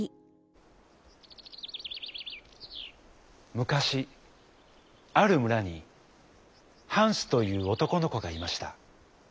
むかしあるむらにハンスというおとこのこがいました。